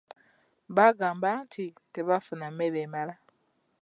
Baagamba nti tebaafuna mmere emala.